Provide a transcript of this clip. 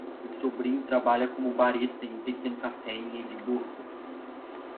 Meu sobrinho trabalha como barista em um pequeno café em Edimburgo.